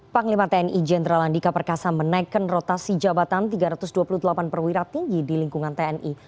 panglima tni jenderal andika perkasa menaikkan rotasi jabatan tiga ratus dua puluh delapan perwira tinggi di lingkungan tni